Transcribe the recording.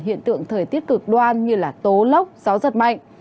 hiện tượng thời tiết cực đoan như tố lốc gió giật mạnh